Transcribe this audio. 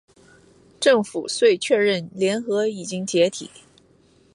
政府遂确认联合已经解体。